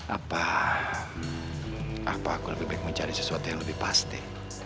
apa apa aku lebih baik mencari sesuatu yang lebih pasti